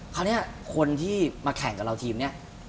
คราวนี้คนที่มาแข่งกับเราทีมนี้